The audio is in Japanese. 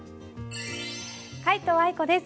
皆藤愛子です。